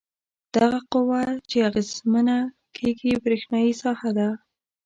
دغه قوه چې اغیزمنه کیږي برېښنايي ساحه ده.